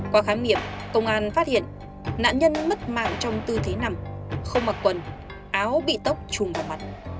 qua khám nghiệp công an phát hiện nạn nhân mất mạng trong tư thế nằm không mặc quần áo bị tóc trùng vào mặt